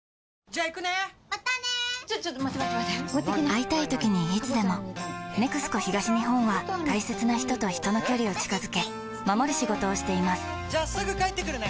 会いたいときにいつでも「ＮＥＸＣＯ東日本」は大切な人と人の距離を近づけ守る仕事をしていますじゃあすぐ帰ってくるね！